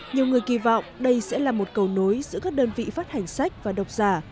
nhiều người kỳ vọng đây sẽ là một cầu nối giữa các đơn vị phát hành sách và độc giả